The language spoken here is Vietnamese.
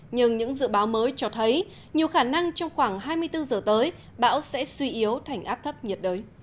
nhưng những dự báo mới cho thấy nhiều khả năng trong khoảng hai mươi bốn giờ tới bão sẽ suy yếu thành áp thấp nhiệt đới